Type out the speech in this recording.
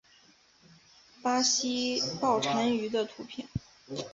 巴西豹蟾鱼的图片